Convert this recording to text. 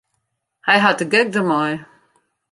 Hy hat de gek dermei.